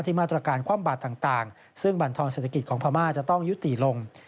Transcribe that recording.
มาตรการคว่ำบาดต่างซึ่งบรรทอนเศรษฐกิจของพม่าจะต้องยุติลง